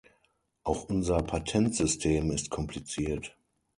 Auch unser Patentsystem ist kompliziert.